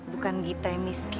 bukan gita yang miskin